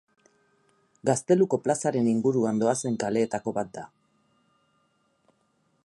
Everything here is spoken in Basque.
Gazteluko plazaren inguruan doazen kaleetako bat da.